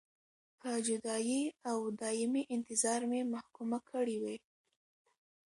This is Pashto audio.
په جدایۍ او دایمي انتظار مې محکومه کړې وې.